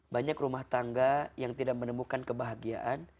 banyak rumah tangga yang tidak menemukan kebahagiaan